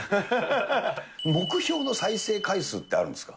目標の再生回数ってあるんですか。